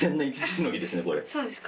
そうです。